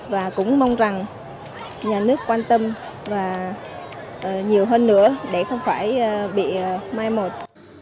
và cũng mong rằng nhà nước quan tâm và nhiều hơn nữa để không phải bị mai một